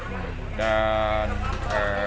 dan itu sebetulnya